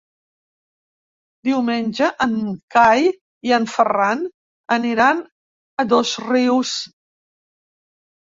Diumenge en Cai i en Ferran aniran a Dosrius.